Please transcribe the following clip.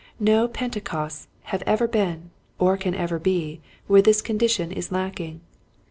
No Pentecost s have ever been, or can ever be where this condition is lacking.